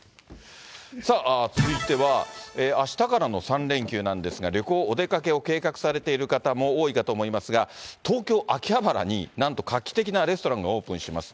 続いては、あしたからの３連休なんですが、旅行、お出かけを計画されている方も多いかと思いますが、東京・秋葉原に、なんと画期的なレストランがオープンします。